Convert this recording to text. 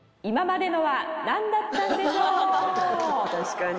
「確かに」